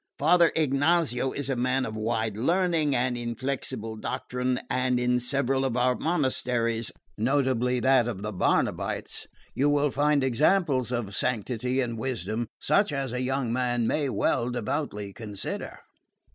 Father Ignazio is a man of wide learning and inflexible doctrine, and in several of our monasteries, notably that of the Barnabites, you will find examples of sanctity and wisdom such as a young man may well devoutly consider.